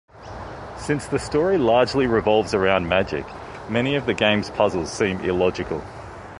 Since the story largely revolves around magic, many of the game's puzzles seem illogical.